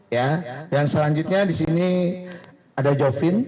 ya dan selanjutnya disini ada joffin